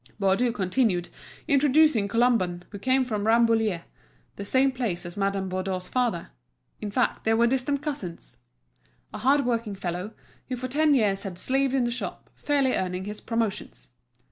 Baudu continued, introducing Colomban, who came from Rambouillet, the same place as Madame Baudu's father; in fact they were distant cousins. A hard working fellow, who for ten years had slaved in the shop, fairly earning his promotions!